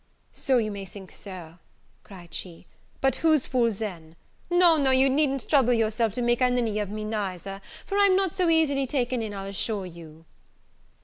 "So you may think, Sir," cried she, "but who's fool then? no, no, you needn't trouble yourself to make a ninny of me neither, for I'm not so easily taken in, I'll assure you."